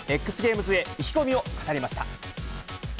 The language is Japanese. ＸＧａｍｅｓへ意気込みを語りました。